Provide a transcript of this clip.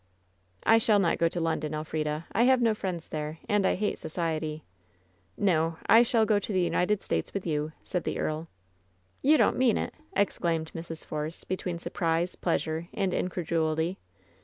"I shall not go to London, Elfrida. I have no friends there, and I hate society. No; I shall go to the United States with you," said the earl. "You don't mean it!" exclaimed Mrs. Force, between surprise, pleasure and incredulity.